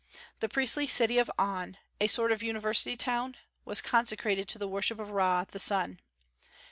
The priestly city of On, a sort of university town, was consecrated to the worship of Ra, the sun.